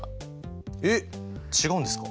えっ違うんですか？